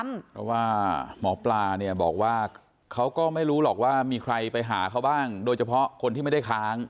เพราะว่าหมอปลาเนี่ยบอกว่าเขาก็ไม่รู้หรอกว่ามีใครไปหาเขาบ้างโดยเฉพาะคนที่ไม่ได้ค้าง